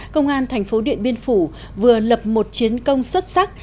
công an tp điện biên phủ vừa lập một chiến công xuất sắc